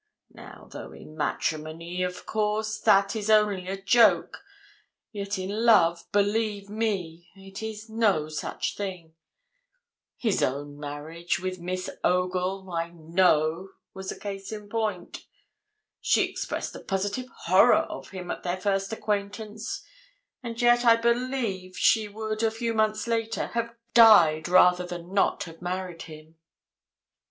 Now, though in matrimony, of course, that is only a joke, yet in love, believe me, it is no such thing. His own marriage with Miss Ogle, I know, was a case in point. She expressed a positive horror of him at their first acquaintance; and yet, I believe, she would, a few months later, have died rather than not have married him.'